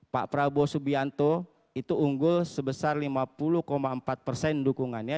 pak prabowo subianto itu unggul sebesar lima puluh empat persen dukungannya